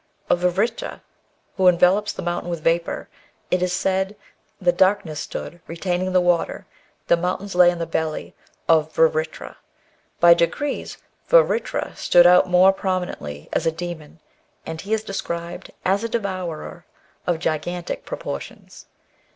Of Vritra, who envelopes the mountains with vapour, it is said, " The darkness stood retaining the water, the mountains lay in the belly of Vritra." By degrees Vritra stood out more prominently as a daemon, and he is described as a " devourer " of gigantic proportions.